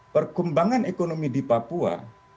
perkembangan ekonomi di papua